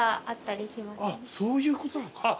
あっそういうことなのか。